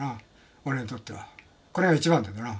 俺にとってはこれが一番だからな。